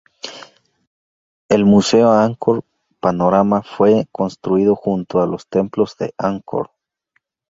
El museo Angkor Panorama fue construido junto a los templos de Angkor.